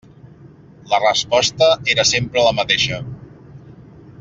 La resposta era sempre la mateixa.